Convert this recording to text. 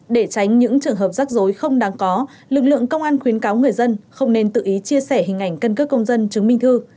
để tránh những trường hợp rắc rối không đáng có lực lượng công an khuyến cáo người dân không nên tự ý chia sẻ hình ảnh căn cước công dân chứng minh thư